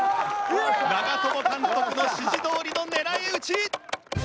長友監督の指示どおりの狙い撃ち！